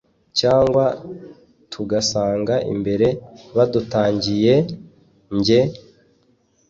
cyangwa tugasanga imbere badutangiye!? njye